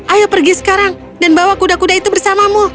ayo pergi sekarang dan bawa kuda kuda itu bersamamu